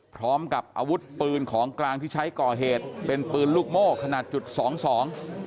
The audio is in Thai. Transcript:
พร้อมกับอาวุธปืนของกลางที่ใช้ก่อเหตุเป็นปืนลูกโม่ขนาดจุดสองสอง